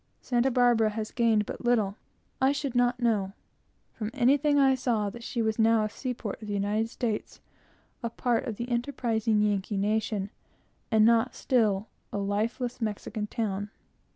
Santa Barbara has gained but little. I should not know, from anything I saw, that she was now a seaport of the United States, a part of the enterprising Yankee nation, and not still a lifeless Mexican town.